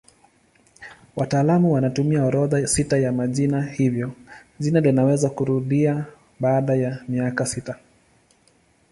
Wataalamu wanatumia orodha sita ya majina hivyo jina linaweza kurudia baada ya miaka sita.